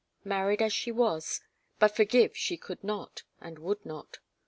Married she was, but forgive she could not and would not.